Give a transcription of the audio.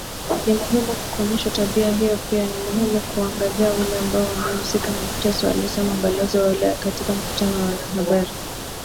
" Ni muhimu kukomesha tabia hiyo pia ni muhimu kuwaangazia wale ambao wamehusika na mateso" alisema Balozi wa ulaya katika mkutano na wanahabari